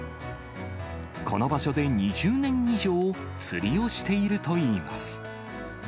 この場所で２０年以上釣りをしているといいます。